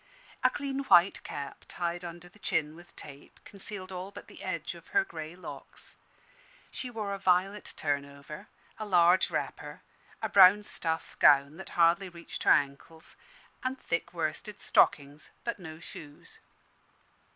A clean white cap, tied under the chin with tape, concealed all but the edge of her grey locks. She wore a violet turnover, a large wrapper, a brown stuff gown that hardly reached her ankles, and thick worsted stockings, but no shoes.